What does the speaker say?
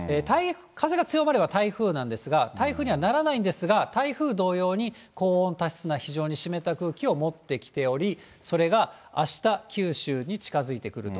風が強まれば台風なんですが、台風にはならないんですが、台風同様に高温多湿な非常に湿った空気を持ってきており、それがあした、九州に近づいてくると。